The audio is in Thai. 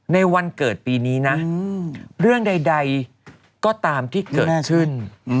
ในวันเกิดปีนี้นะเรื่องใดก็ตามที่เกิดขึ้น